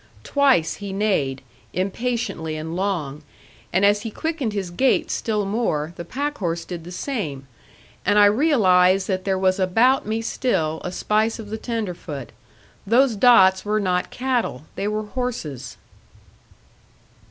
Twice he neighed, impatiently and long; and as he quickened his gait still more, the packhorse did the same, and I realized that there was about me still a spice of the tenderfoot: those dots were not cattle; they were horses.